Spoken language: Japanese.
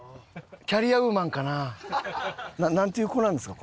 キャリアウーマンかな？なんていう子なんですか？